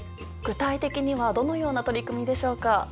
具体的にはどのような取り組みでしょうか？